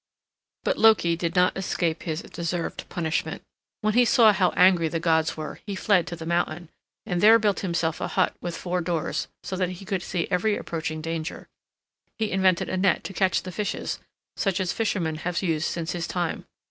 But Loki did not escape his deserved punishment. When he saw how angry the gods were, he fled to the mountain, and there built himself a hut with four doors, so that he could see every approaching danger. He invented a net to catch the fishes, such as fishermen have used since his time.